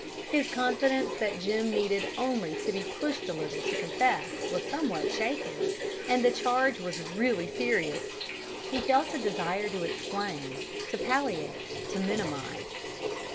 His confidence that Jim needed only to be pushed a little to confess was somewhat shaken, and the charge was really serious. He felt a desire to explain, to palliate, to minimize.